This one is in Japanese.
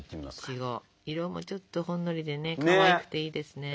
いちご色もちょっとほんのりでねかわいくていいですね。